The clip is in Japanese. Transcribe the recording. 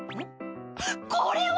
これは！